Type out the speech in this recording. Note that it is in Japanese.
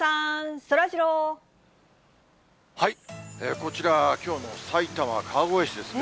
こちらはきょうの埼玉・川越市ですね。